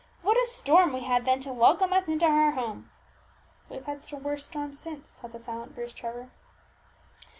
What a storm we had then to welcome us into our home!" "We've had worse storms since," thought the silent Bruce Trevor.